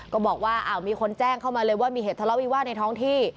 ก็บอกว่ามีคนแจ้งเข้ามาเลยว่ามีเหตุทะเลาวิวาสในท้องที่